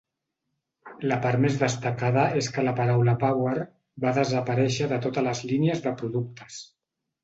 La part més destacada és que la paraula "Power" va desaparèixer de totes les línies de productes.